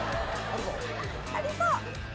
ありそう。